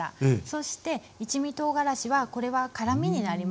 そして一味とうがらしはこれは辛みになりますね。